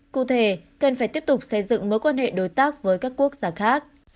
cụ thể cần phải tiếp tục xây dựng mối quan hệ đối tác với các quốc gia khác